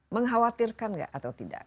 mengkhawatirkan gak atau tidak